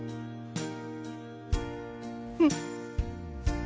うん。